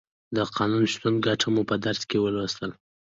د قانون شتون ګټه مو په درس کې ولوستله.